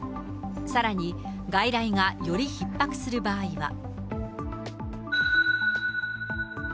さらに、外来がよりひっ迫する場合は。